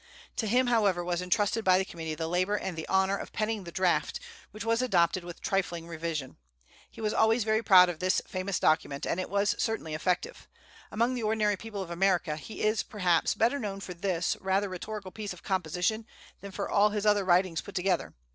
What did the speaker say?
To him, however, was intrusted by the committee the labor and the honor of penning the draft, which was adopted with trifling revision. He was always very proud of this famous document, and it was certainly effective. Among the ordinary people of America he is, perhaps, better known for this rather rhetorical piece of composition than for all his other writings put together.